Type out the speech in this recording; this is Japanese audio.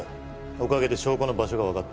おかげで証拠の場所がわかった。